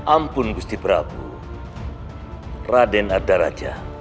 ampun gusti prabu raden adaraja